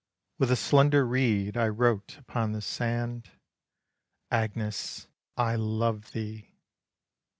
With a slender reed I wrote upon the sand, "Agnes, I love thee!"